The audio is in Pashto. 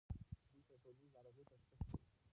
دوی د ټولنیزو ناروغیو تشخیص کوي.